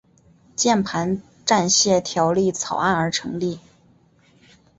键盘战线条例草案而成立。